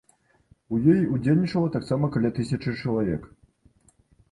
У ёй удзельнічала таксама каля тысячы чалавек.